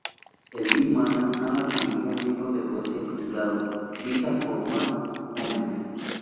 El mismo año, Hana publicó un libro de poesía titulado "Visa for one moment".